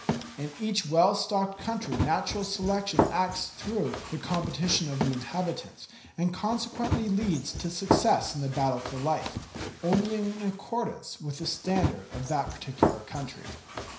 In each well stocked country natural selection acts through the competition of the inhabitants and consequently leads to success in the battle for life, only in accordance with the standard of that particular country.